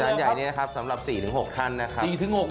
ใหญ่นี้นะครับสำหรับ๔๖ท่านนะครับ